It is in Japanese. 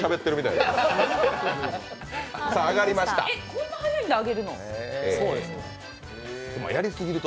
こんな早いんだ、揚げるの。